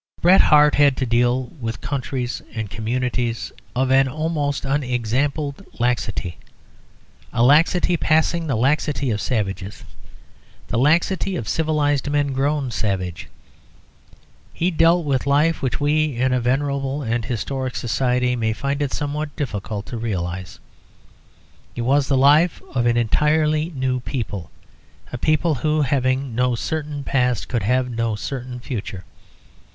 Bret Harte had to deal with countries and communities of an almost unexampled laxity, a laxity passing the laxity of savages, the laxity of civilised men grown savage. He dealt with a life which we in a venerable and historic society may find it somewhat difficult to realise. It was the life of an entirely new people, a people who, having no certain past, could have no certain future.